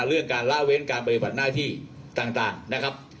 เรื่องการละเว้นการปฏิบัติหน้าที่ต่างนะครับ